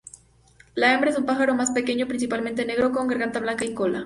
La hembra es un pájaro más pequeño, principalmente negro, con garganta blanca y cola.